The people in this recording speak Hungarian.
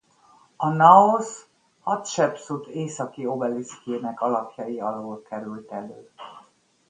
A naosz Hatsepszut északi obeliszkjének alapjai alól került elő.